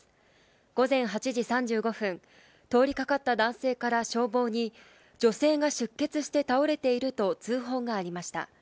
午前８時３５分、通りかかった男性から消防に女性が出血して倒れていると通報がありました。